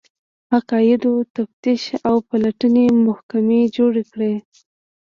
عقایدو تفتیش او پلټنې محکمې جوړې کړې